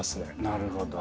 なるほど。